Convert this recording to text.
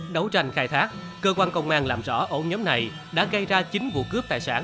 đấu tranh khai thác cơ quan công an làm rõ ổ nhóm này đã gây ra chín vụ cướp tài sản